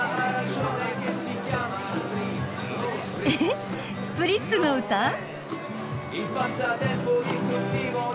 えスプリッツの歌？